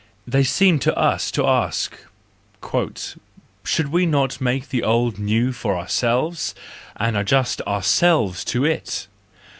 They seem to us to ask: " Should we not make the old new for our¬ selves, and adjust ourselves to it?